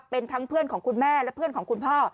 เป็นทั้งเพื่อนของคุณแม่และเพื่อนของคุณพ่อ